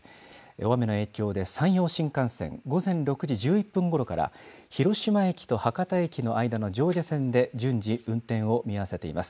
大雨の影響で山陽新幹線、午前６時１１分ごろから広島駅と博多駅の間の上下線で順次、運転を見合わせています。